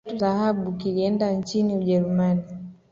kiatu cha dhahabu kilienda nchini ujerumani